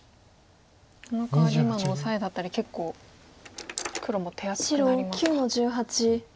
そのかわり今のオサエだったり結構黒も手厚くなりますか。